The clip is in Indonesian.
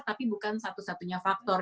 tapi bukan satu satunya faktor